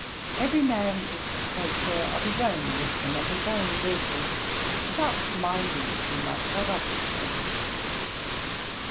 Every man is to take care of his own wisdom and his own virtue, without minding too much what others think.'